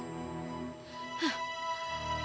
tunggu aja ya